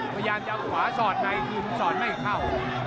พยายามจะเอาขวาสอนในสอนไม่เข้า